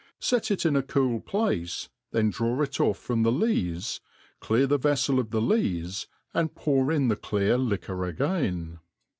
Set it in a cool place, then draw it off from .the lees, clear the veffel of the lees, and pour in the clear liquor again.